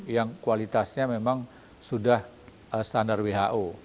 yang kualitasnya memang sudah standar who